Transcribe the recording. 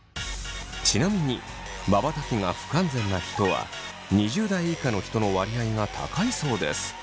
ちなみにまばたきが不完全な人は２０代以下の人の割合が高いそうです。